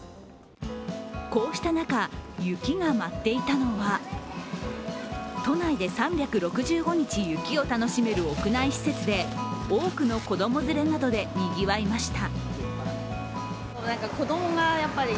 こうした中、雪が舞っていたのは、都内で３６５日雪を楽しめる屋内施設で、多くの子供連れなどでにぎわいました。